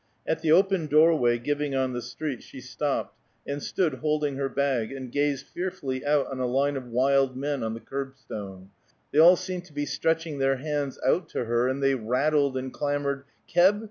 At the open doorway giving on the street she stopped, and stood holding her bag, and gazed fearfully out on a line of wild men on the curbstone; they all seemed to be stretching their hands out to her, and they rattled and clamored: "Keb?